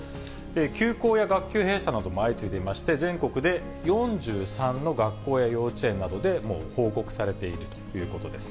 休校や学級閉鎖なども相次いでいまして、全国で４３の学校や幼稚園などで報告されているということです。